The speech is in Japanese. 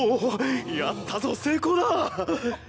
やったぞ成功だ！